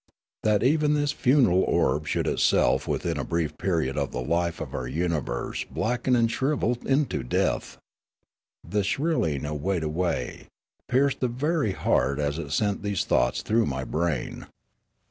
That even this funeral orb should itself within a brief period of the life of our universe blacken and shrivel into death ! The shrilling " a' wede away" pierced the very heart as it sent these thoughts through my brain.